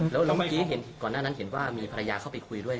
แล้วเมื่อกี้เห็นก่อนหน้านั้นเห็นว่ามีภรรยาเข้าไปคุยด้วย